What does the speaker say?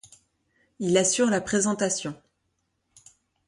Il assure la présentation.